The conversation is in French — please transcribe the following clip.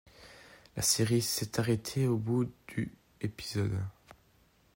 La série s'est arrêtée au bout du épisode.